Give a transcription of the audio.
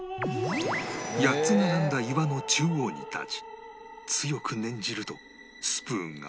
８つ並んだ岩の中央に立ち強く念じるとスプーンが曲がるのだという